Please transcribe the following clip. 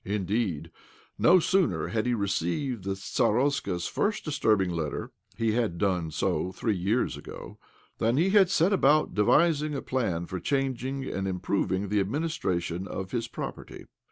Indeed, no sooner had he re ceived the stardsta's first disturbing letter (he had done so three years ago) than he had set about devising a plan for changing and improving the administration of his property.